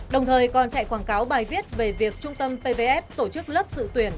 đồng thời còn chạy quảng cáo bài viết về việc trung tâm pvf tổ chức lớp dự tuyển